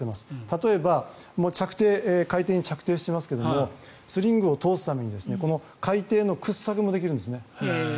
例えば、海底に着底していますがスリングを通すために海底の掘削もできるんですね。